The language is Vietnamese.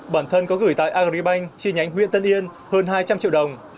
bản thân có gửi tài agribank chi nhánh nguyễn tân yên hơn hai trăm linh triệu đồng